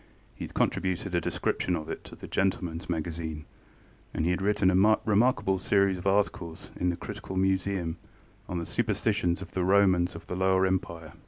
He had contributed a description of it to the GentlemanŌĆÖs Magazine, and he had written a remarkable series of articles in the Critical Museum on the superstitions of the Romans of the Lower Empire.